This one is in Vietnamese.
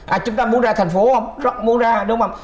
à chúng ta muốn ra thành phố không muốn ra đúng không